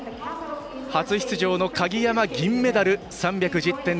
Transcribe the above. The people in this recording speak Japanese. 初出場の鍵山、銀メダル。